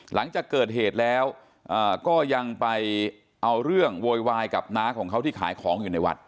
หลังจากเกิดเหตุแล้วก็ยังไปเอาเรื่องโวยวายกับน้าของเขาที่ขายของอยู่ในวัด